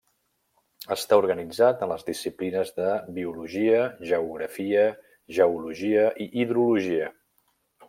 Està organitzat en les disciplines de biologia, geografia, geologia, i hidrologia.